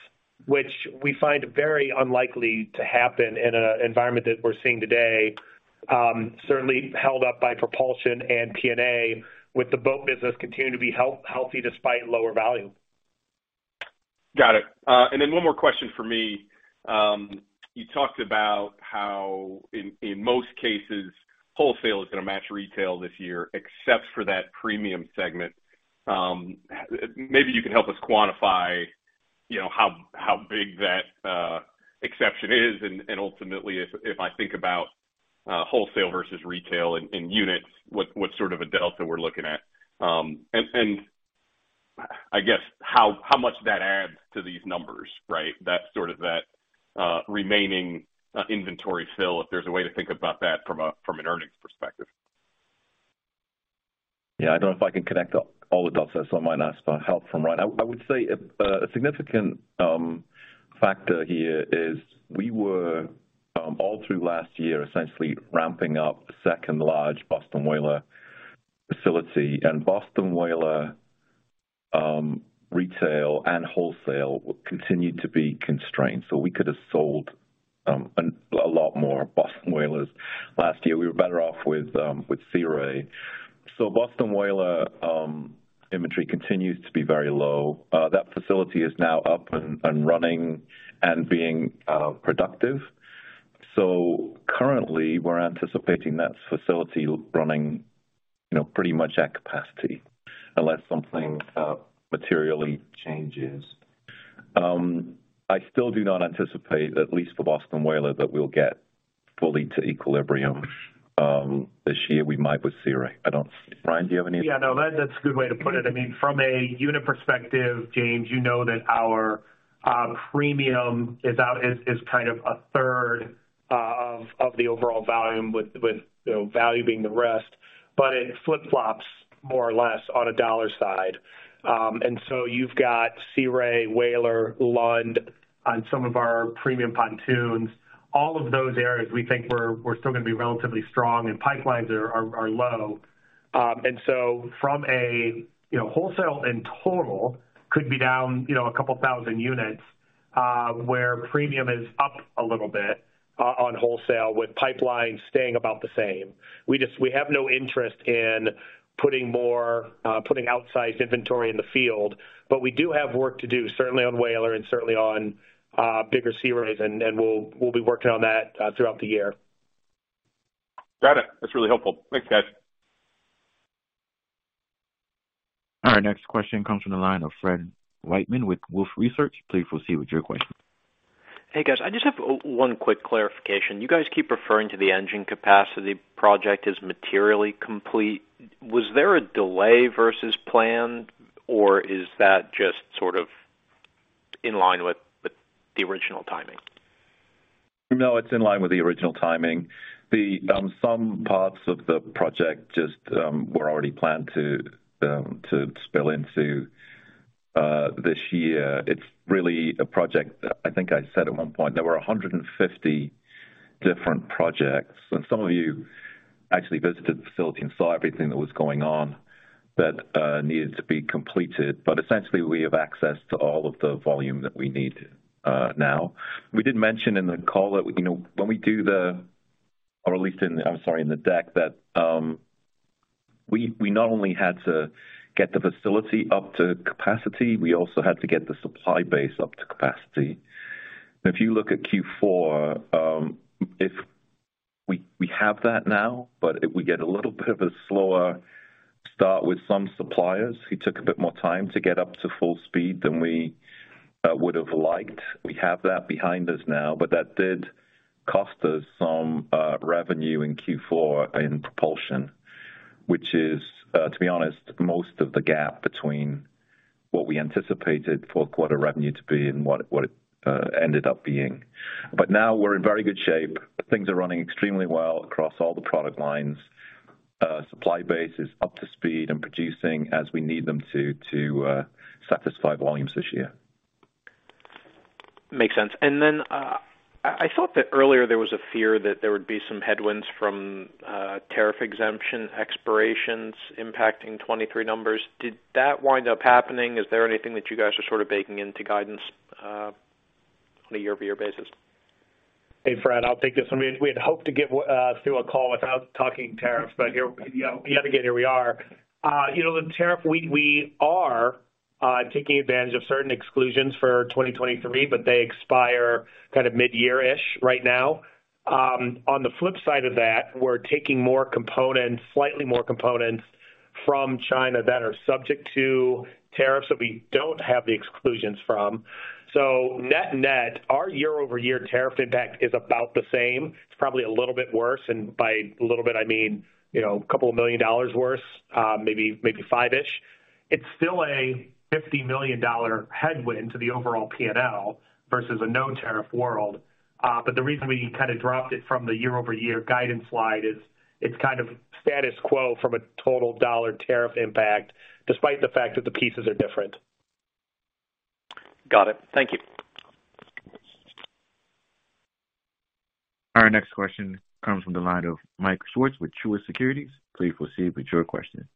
which we find very unlikely to happen in an environment that we're seeing today, certainly held up by propulsion and P&A with the boat business continuing to be healthy despite lower value. Got it. One more question from me. You talked about how in most cases, wholesale is going to match retail this year, except for that premium segment. Maybe you can help us quantify, you know, how big that exception is. Ultimately, if I think about wholesale versus retail in units, what sort of a delta we're looking at. I guess how much that adds to these numbers, right? That sort of that remaining inventory fill, if there's a way to think about that from an earnings perspective. Yeah. I don't know if I can connect all the dots there, so I might ask for help from Ryan. I would say a significant factor here is we were all through last year, essentially ramping up a second large Boston Whaler facility. Boston Whaler retail and wholesale continued to be constrained. We could have sold a lot more Boston Whalers last year. We were better off with Sea Ray. Boston Whaler inventory continues to be very low. That facility is now up and running and being productive. Currently, we're anticipating that facility running, you know, pretty much at capacity unless something materially changes. I still do not anticipate, at least for Boston Whaler, that we'll get fully to equilibrium this year. We might with Sea Ray. I don't. Ryan, do you have any? Yeah, no, that's a good way to put it. I mean, from a unit perspective, James, you know that our premium is out, is kind of a third of the overall volume with, you know, value being the rest. It flip-flops more or less on a dollar side. You've got Sea Ray, Whaler, Lund on some of our premium pontoons. All of those areas we think we're still gonna be relatively strong and pipelines are low. From a, you know, wholesale in total could be down, you know, a couple thousand units, where premium is up a little bit on wholesale with pipelines staying about the same. We have no interest in putting more putting outsized inventory in the field. We do have work to do, certainly on Whaler and certainly on bigger Sea Rays, and we'll be working on that throughout the year. Got it. That's really helpful. Thanks, guys. All right, next question comes from the line of Fred Wightman with Wolfe Research. Please proceed with your question. Hey, guys. I just have one quick clarification. You guys keep referring to the engine capacity project as materially complete. Was there a delay versus plan, or is that just sort of in line with the original timing? No, it's in line with the original timing. Some parts of the project just were already planned to spill into this year. It's really a project. I think I said at one point there were 150 different projects, and some of you actually visited the facility and saw everything that was going on that needed to be completed. Essentially, we have access to all of the volume that we need, now. We did mention in the call that, you know, or at least in, I'm sorry, in the deck, that we not only had to get the facility up to capacity, we also had to get the supply base up to capacity. If you look at Q4, if we have that now, but if we get a little bit of a slower start with some suppliers who took a bit more time to get up to full speed than we would have liked. We have that behind us now, but that did cost us some revenue in Q4 in propulsion, which is, to be honest, most of the gap between what we anticipated for quarter revenue to be and what it ended up being. Now we're in very good shape. Things are running extremely well across all the product lines. Supply base is up to speed and producing as we need them to satisfy volumes this year. Makes sense. I thought that earlier there was a fear that there would be some headwinds from tariff exemption expirations impacting 2023 numbers. Did that wind up happening? Is there anything that you guys are sort of baking into guidance on a year-over-year basis? Hey, Fred Wightman, I'll take this one. We had hoped to get through a call without talking tariffs, but here, yet again, here we are. You know, the tariff we are taking advantage of certain exclusions for 2023, but they expire kind of midyear-ish right now. On the flip side of that, we're taking slightly more components from China that are subject to tariffs that we don't have the exclusions from. Net-net, our year-over-year tariff impact is about the same. It's probably a little bit worse, and by a little bit, I mean, you know, a couple of million dollars worse, maybe $5 million-ish. It's still a $50 million headwind to the overall P&L versus a no tariff world. The reason we kind of dropped it from the year-over-year guidance slide is it's kind of status quo from a total dollar tariff impact despite the fact that the pieces are different. Got it. Thank you. Our next question comes from the line of Michael Swartz with Truist Securities. Please proceed with your question.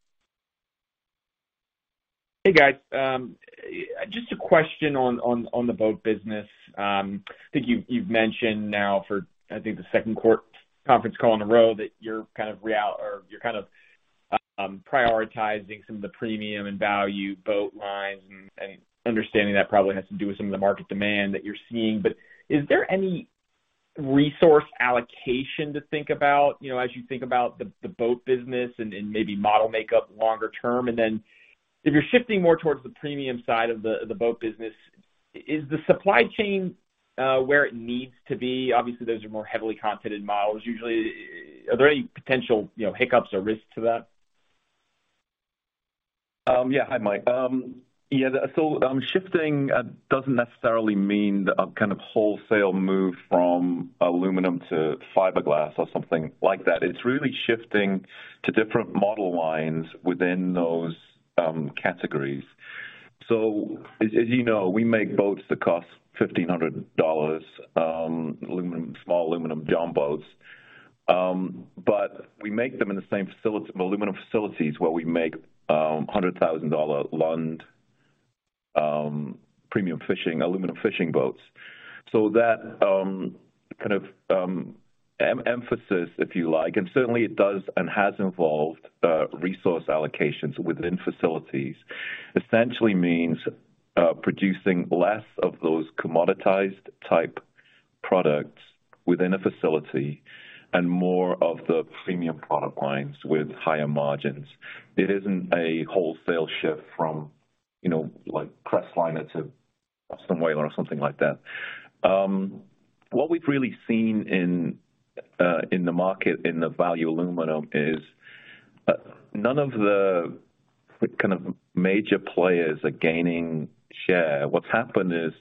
Hey, guys. Just a question on the boat business. I think you've mentioned now for, I think the second quarter conference call in a row that you're kind of prioritizing some of the premium and value boat lines and understanding that probably has to do with some of the market demand that you're seeing. Is there any resource allocation to think about, you know, as you think about the boat business and maybe model makeup longer term? If you're shifting more towards the premium side of the boat business, is the supply chain where it needs to be? Obviously, those are more heavily contented models usually. Are there any potential, you know, hiccups or risks to that? Yeah. Hi, Michael. Yeah, shifting doesn't necessarily mean a kind of wholesale move from aluminum to fiberglass or something like that. It's really shifting to different model lines within those categories. As you know, we make boats that cost $1,500, aluminum, small aluminum john boats. But we make them in the same aluminum facilities where we make $100,000 Lund, premium fishing, aluminum fishing boats. That kind of emphasis, if you like, and certainly it does and has involved resource allocations within facilities, essentially means producing less of those commoditized type products within a facility and more of the premium product lines with higher margins. It isn't a wholesale shift from, you know, like, Crestliner to Boston Whaler or something like that. What we've really seen in the market in the value aluminum is none of the kind of major players are gaining share. What's happened is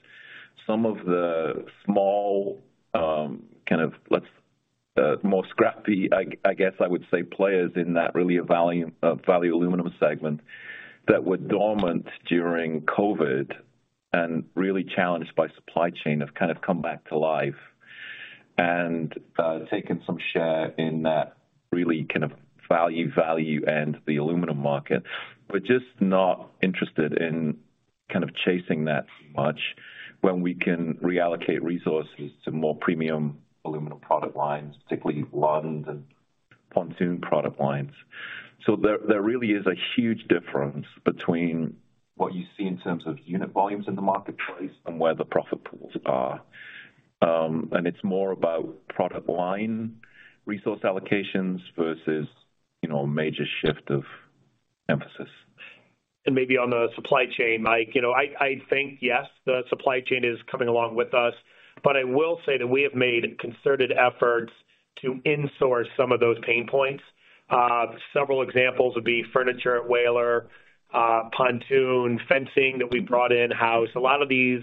some of the small, kind of more scrappy, I guess I would say, players in that really value aluminum segment that were dormant during COVID and really challenged by supply chain have kind of come back to life and taken some share in that really kind of value end the aluminum market. We're just not interested in kind of chasing that much when we can reallocate resources to more premium aluminum product lines, particularly Lund and Pontoon product lines. There really is a huge difference between what you see in terms of unit volumes in the marketplace and where the profit pools are. It's more about product line resource allocations versus, you know, a major shift of emphasis. Maybe on the supply chain, Michael. You know, I think, yes, the supply chain is coming along with us, but I will say that we have made concerted efforts to in-source some of those pain points. Several examples would be furniture at Whaler, Pontoon, fencing that we brought in-house. A lot of these,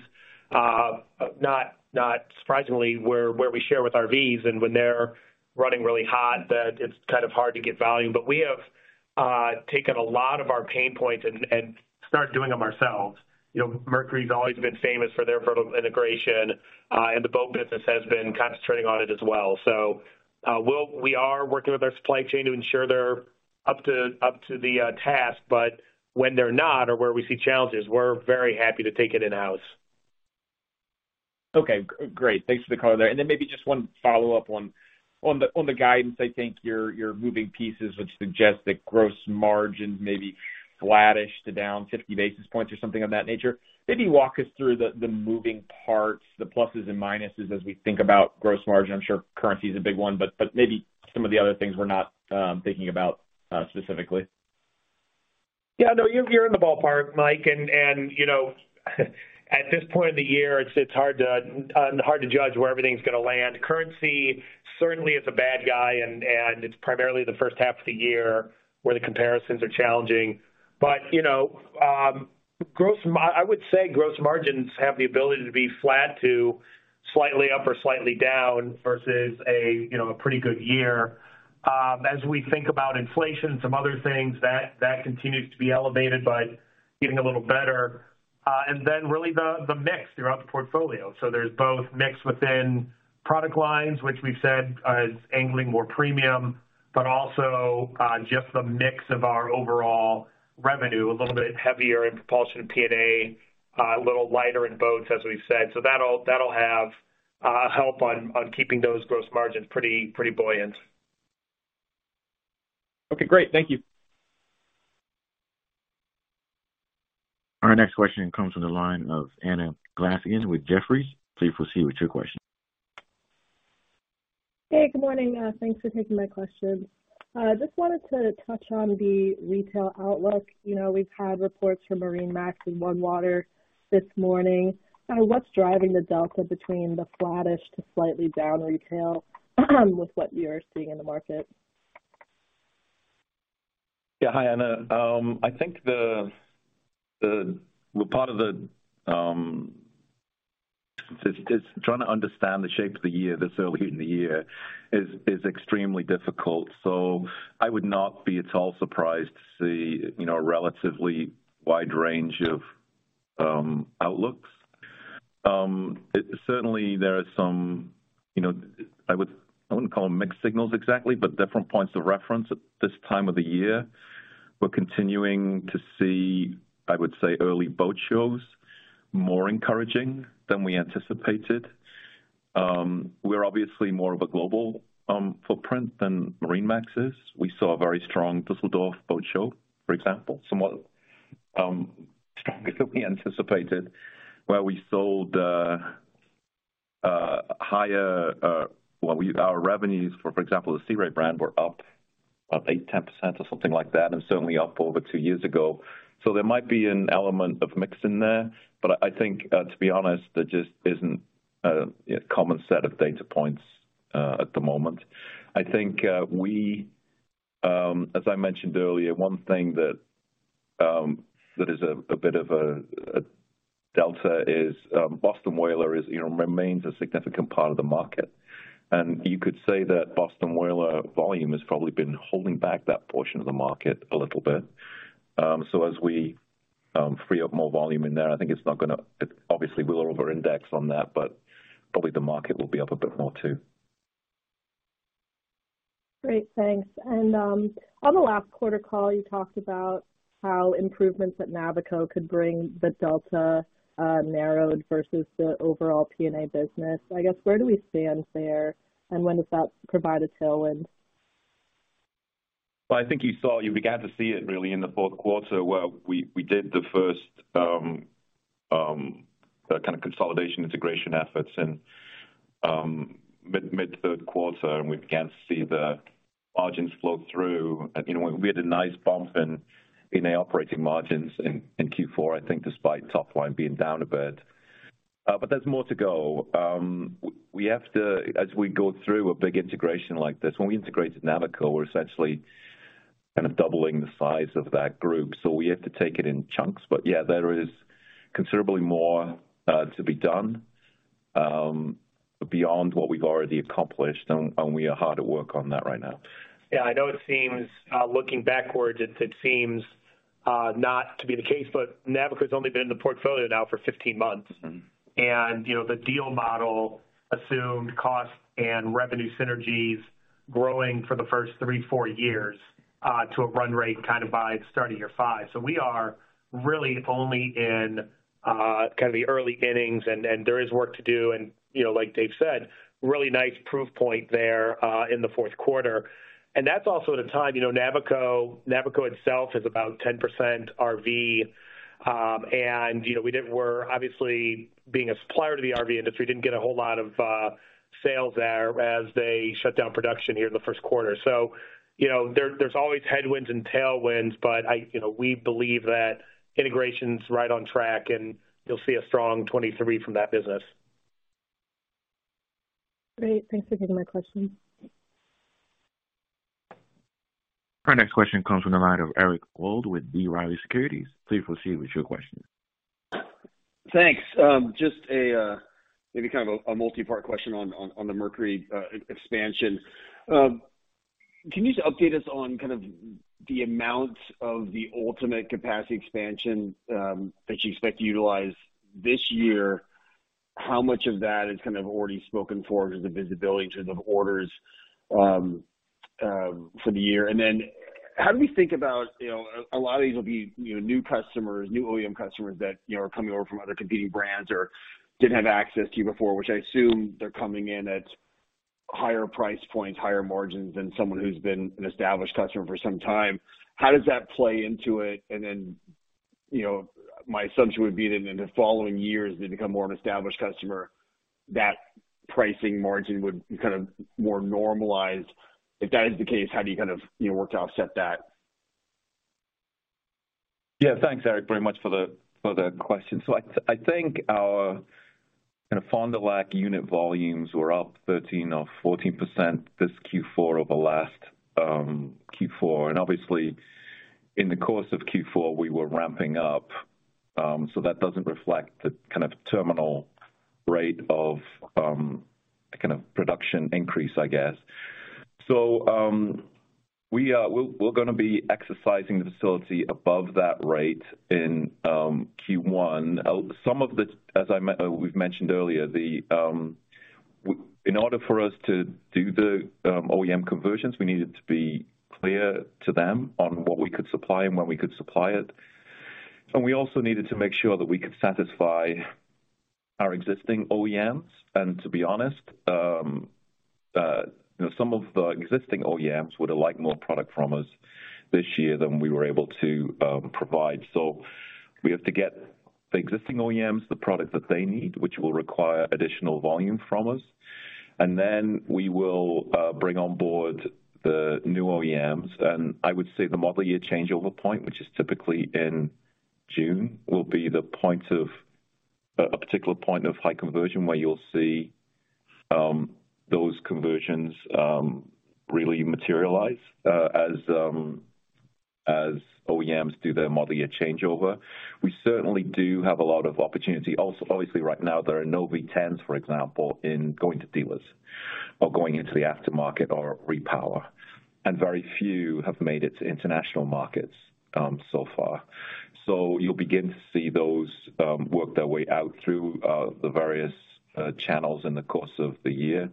not surprisingly, where we share with RVs and when they're running really hot, that it's kind of hard to get volume. We have taken a lot of our pain points and started doing them ourselves. You know, Mercury's always been famous for their vertical integration, and the boat business has been concentrating on it as well. We are working with our supply chain to ensure they're up to the task, but when they're not or where we see challenges, we're very happy to take it in-house. Okay, great. Thanks for the color there. Then maybe just one follow-up on the guidance. I think your moving pieces would suggest that gross margins may be flattish to down 50 basis points or something of that nature. Maybe walk us through the moving parts, the pluses and minuses as we think about gross margin. I'm sure currency is a big one, but maybe some of the other things we're not thinking about specifically. Yeah, no, you're in the ballpark, Mike. You know, at this point in the year, it's hard to judge where everything's gonna land. Currency certainly is a bad guy, and it's primarily the first half of the year where the comparisons are challenging. You know, I would say gross margins have the ability to be flat to slightly up or slightly down versus a, you know, a pretty good year. As we think about inflation and some other things, that continues to be elevated but getting a little better. Then really the mix throughout the portfolio. There's both mix within product lines, which we've said is angling more premium, but also, just the mix of our overall revenue, a little bit heavier in propulsion and P&A, a little lighter in boats, as we've said. That'll have help on keeping those gross margins pretty buoyant. Okay, great. Thank you. Our next question comes from the line of Anna Glaessgen with Jefferies. Please proceed with your question. Good morning. Thanks for taking my question. Just wanted to touch on the retail outlook. You know, we've had reports from MarineMax and OneWater this morning. What's driving the delta between the flattish to slightly down retail with what you're seeing in the market? Yeah. Hi, Anna. I think this is trying to understand the shape of the year this early in the year is extremely difficult. I would not be at all surprised to see, you know, a relatively wide range of outlooks. Certainly there are some, you know, I wouldn't call them mixed signals exactly, but different points of reference at this time of the year. We're continuing to see, I would say, early boat shows more encouraging than we anticipated. We're obviously more of a global footprint than MarineMax is. We saw a very strong Dusseldorf Boat Show, for example, somewhat stronger than we anticipated, where we sold higher, our revenues, for example, the Sea Ray brand were up 8-10% or something like that, and certainly up over two years ago. There might be an element of mix in there. I think, to be honest, there just isn't a common set of data points at the moment. I think, we, as I mentioned earlier, one thing that is a bit of a delta is Boston Whaler is, you know, remains a significant part of the market. You could say that Boston Whaler volume has probably been holding back that portion of the market a little bit. As we free up more volume in there, I think it's not gonna. Obviously, we're over indexed on that, but probably the market will be up a bit more too. Great, thanks. On the last quarter call, you talked about how improvements at Navico could bring the delta narrowed versus the overall P&A business. I guess, where do we stand there, and when does that provide a tailwind? Well, I think you began to see it really in the fourth quarter where we did the first kind of consolidation integration efforts in mid-third quarter. We began to see the margins flow through. You know, we had a nice bump in our operating margins in Q4, I think despite top line being down a bit. There's more to go. We have to, as we go through a big integration like this, when we integrated Navico, we're essentially kind of doubling the size of that group. We have to take it in chunks. Yeah, there is considerably more to be done beyond what we've already accomplished, and we are hard at work on that right now. Yeah, I know it seems, looking backwards, it seems, not to be the case, but Navico's only been in the portfolio now for 15 months. Mm-hmm. you know, the deal model assumed cost and revenue synergies growing for the first three, four years, to a run rate kind of by the start of year five. we are really only in, kind of the early innings and there is work to do. you know, like David said, really nice proof point there, in the fourth quarter. that's also at a time, you know, Navico itself is about 10% RV. you know, we're obviously being a supplier to the RV industry, didn't get a whole lot of sales there as they shut down production here in the first quarter. you know, there's always headwinds and tailwinds, but I, you know, we believe that integration's right on track, and you'll see a strong 23 from that business. Great. Thanks for taking my question. Our next question comes from the line of Eric Wold with B. Riley Securities. Please proceed with your question. Thanks. Just a maybe kind of a multipart question on the Mercury expansion. Can you just update us on kind of the amount of the ultimate capacity expansion that you expect to utilize this year? How much of that is kind of already spoken for in terms of visibility in terms of orders for the year? How do we think about, you know, a lot of these will be, you know, new customers, new OEM customers that, you know, are coming over from other competing brands or didn't have access to you before, which I assume they're coming in at higher price points, higher margins than someone who's been an established customer for some time. How does that play into it? You know, my assumption would be that in the following years, they become more of an established customer, that pricing margin would be kind of more normalized. If that is the case, how do you kind of, you know, work to offset that? Yeah. Thanks, Eric, very much for the question. I think our kind of Fond du Lac unit volumes were up 13% or 14% this Q4 over last Q4. Obviously in the course of Q4, we were ramping up. That doesn't reflect the kind of terminal rate of kind of production increase, I guess. We're gonna be exercising the facility above that rate in Q1. Some of this, as we've mentioned earlier, the in order for us to do the OEM conversions, we needed to be clear to them on what we could supply and when we could supply it. We also needed to make sure that we could satisfy our existing OEMs. To be honest, you know, some of the existing OEMs would have liked more product from us this year than we were able to provide. We have to get the existing OEMs the product that they need, which will require additional volume from us. We will bring on board the new OEMs. I would say the model year changeover point, which is typically in June, will be the point of a particular point of high conversion where you'll see those conversions really materialize as OEMs do their model year changeover. We certainly do have a lot of opportunity. Obviously right now there are no V10s, for example, in going to dealers or going into the aftermarket or repower, and very few have made it to international markets so far. You'll begin to see those work their way out through the various channels in the course of the year.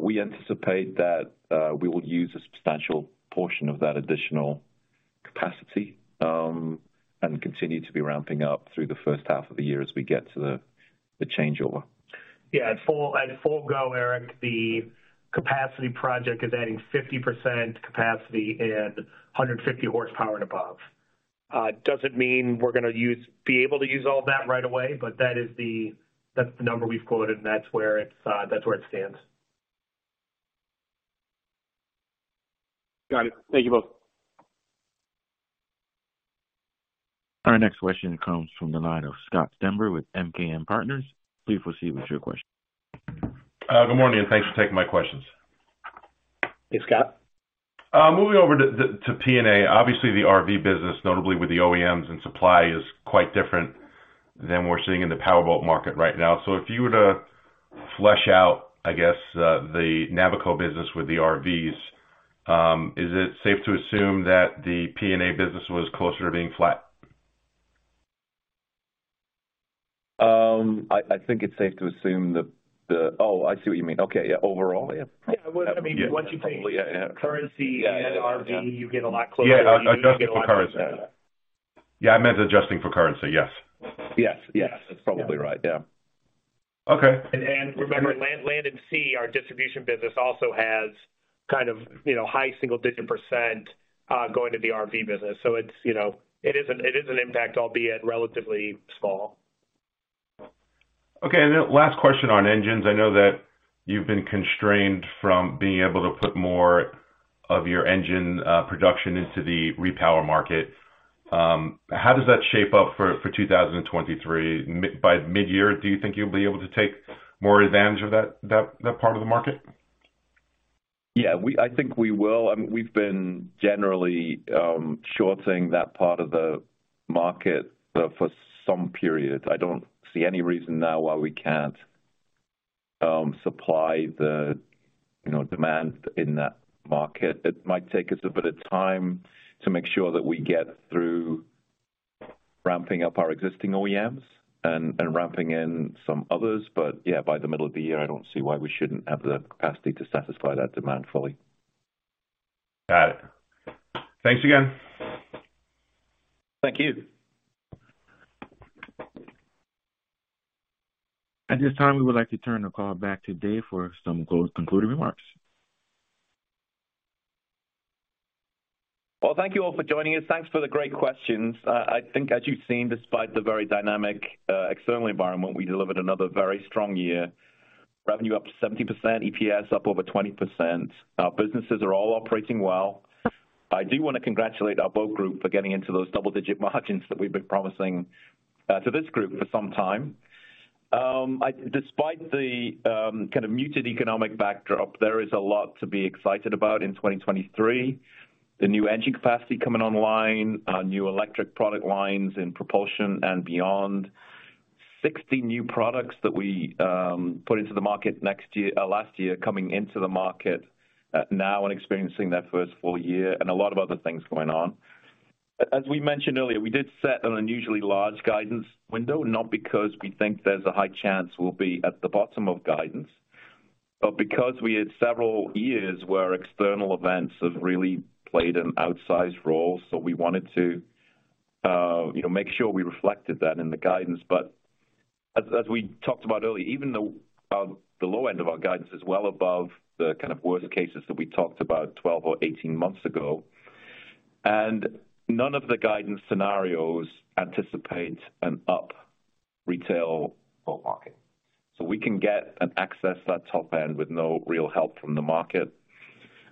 We anticipate that we will use a substantial portion of that additional capacity and continue to be ramping up through the first half of the year as we get to the changeover. Yeah. At full go, Eric, the capacity project is adding 50% capacity at 150 horsepower and above. Doesn't mean we're gonna be able to use all that right away, but that is the, that's the number we've quoted, and that's where it stands. Got it. Thank you both. Our next question comes from the line of Scott Stember with MKM Partners. Please proceed with your question. Good morning, and thanks for taking my questions. Hey, Scott. moving over to P&A. Obviously, the RV business, notably with the OEMs and supply, is quite different than we're seeing in the Powerboat market right now. If you were to flesh out, I guess, the Navico business with the RVs, is it safe to assume that the P&A business was closer to being flat? I think it's safe to assume the... Oh, I see what you mean. Okay. Yeah. Overall, yeah. Yeah. Well, I mean, once you. Probably, yeah. -currency and RV, you get a lot closer. Yeah. Adjusting for currency. Yeah, I meant adjusting for currency. Yes. Yes, yes. That's probably right. Yeah. Okay. Remember Land 'N' Sea, our distribution business also has kind of, you know, high single-digit %, going to the RV business. It's, you know. It is an impact, albeit relatively small. Okay. Last question on engines. I know that you've been constrained from being able to put more of your engine production into the repower market. How does that shape up for 2023? By midyear, do you think you'll be able to take more advantage of that part of the market? Yeah, I think we will. I mean, we've been generally shorting that part of the market for some period. I don't see any reason now why we can't supply the, you know, demand in that market. It might take us a bit of time to make sure that we get through ramping up our existing OEMs and ramping in some others. Yeah, by the middle of the year, I don't see why we shouldn't have the capacity to satisfy that demand fully. Got it. Thanks again. Thank you. At this time, we would like to turn the call back to David for some close concluding remarks. Well, thank you all for joining us. Thanks for the great questions. I think as you've seen, despite the very dynamic external environment, we delivered another very strong year. Revenue up 70%, EPS up over 20%. Our businesses are all operating well. I do wanna congratulate our Boat Group for getting into those double-digit margins that we've been promising to this group for some time. Despite the kind of muted economic backdrop, there is a lot to be excited about in 2023. The new engine capacity coming online, our new electric product lines in propulsion and beyond. 60 new products that we put into the market last year, coming into the market now and experiencing their first full year, and a lot of other things going on. As we mentioned earlier, we did set an unusually large guidance window, not because we think there's a high chance we'll be at the bottom of guidance, but because we had several years where external events have really played an outsized role, so we wanted to, you know, make sure we reflected that in the guidance. As we talked about earlier, even the low end of our guidance is well above the kind of worst cases that we talked about 12 or 18 months ago. None of the guidance scenarios anticipate an up retail boat market, so we can get and access that top end with no real help from the market.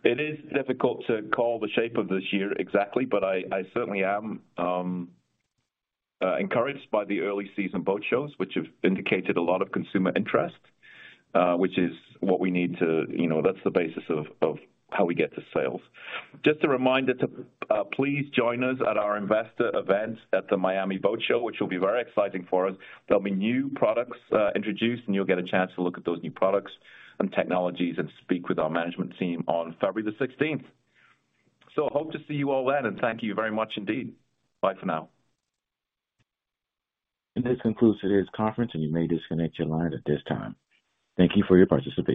It is difficult to call the shape of this year exactly, but I certainly am encouraged by the early season boat shows which have indicated a lot of consumer interest, which is what we need to. You know, that's the basis of how we get to sales. Just a reminder to please join us at our investor event at the Miami Boat Show, which will be very exciting for us. There'll be new products introduced, and you'll get a chance to look at those new products and technologies and speak with our management team on February the 16th. Hope to see you all then, and thank you very much indeed. Bye for now. This concludes today's conference, and you may disconnect your lines at this time. Thank you for your participation.